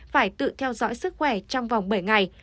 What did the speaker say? phải tự theo dõi sức khỏe trong vòng bảy ngày